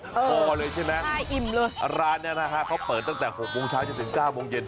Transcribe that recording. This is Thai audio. หอเลยใช่ไหมร้านนี้นะฮะเขาเปิดตั้งแต่๖โมงเช้าจะถึง๙โมงเย็น